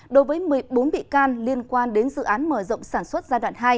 đối với một mươi bốn bị can liên quan đến dự án mở rộng sản xuất giai đoạn hai